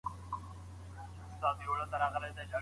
اسلام موږ ته د حالاتو مطابق د مقايسې حکم کړی دی.